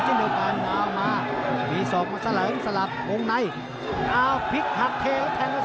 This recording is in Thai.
เถอะครับอเฮียม่ายาใกล้